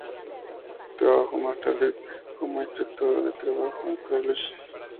Trabajó más tarde como inspectora de trabajo en Karlsruhe.